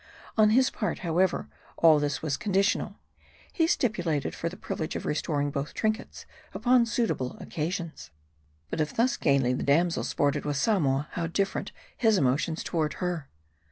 On his part, however, all this was conditional. He stipulated for the privilege of restoring both trinkets upon suitable occasions. But if thus gayly the damsel sported with Samoa ; how different his emotions toward her